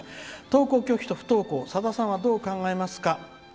登校拒否と不登校さださんは、どう考えますか？」。